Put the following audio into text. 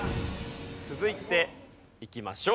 続いていきましょう。